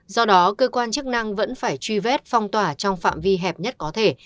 do đó cơ quan chức năng vẫn phải truy vết phong tỏa trong phạm vi hẹp nhất có thể